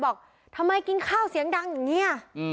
บอกทำไมกินข้าวเสียงดังอย่างนี้